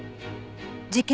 事件